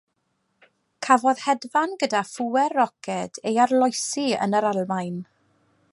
Cafodd hedfan gyda phŵer roced ei arloesi yn y Almaen.